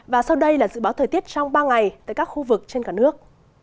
và sau đây là dự báo thời tiết trong ba ngày tại các khu vực trên cả nước